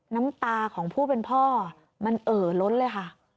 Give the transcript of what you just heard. น้ำตาของผู้เป็นพ่อมันเอ่อล้นเลยค่ะ